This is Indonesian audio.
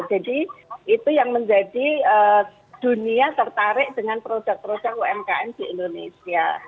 jadi itu yang menjadi dunia tertarik dengan produk produk umkm di indonesia